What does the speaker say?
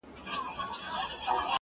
فقير نه يمه سوالگر دي اموخته کړم.